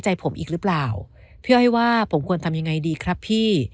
ใจผมอีกหรือเปล่าพี่อ้อยว่าผมควรทำยังไงดีครับพี่